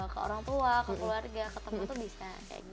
ke orang tua ke keluarga ke tempat tuh bisa